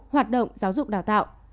sáu hoạt động giáo dục đào tạo